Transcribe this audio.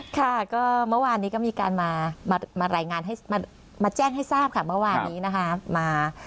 ค่ะก็เมื่อวานนี้ก็มีการมารายงานให้มาแจ้งให้ทราบค่ะเมื่อวานนี้นะคะ